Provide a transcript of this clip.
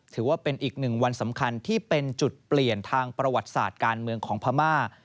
ถือว่าเป็นอีกหนึ่งวันสำคัญที่เป็นจุดเปลี่ยนทางประวัติศาสตร์การเมืองของพม่า